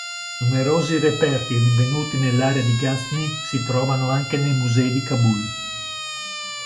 Numerosi reperti rinvenuti nell'area di Ghazni si trovano anche nei musei di Kabul.